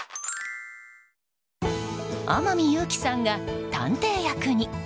天海祐希さんが探偵役に。